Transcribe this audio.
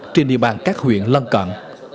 trên địa bàn các huyện lân cận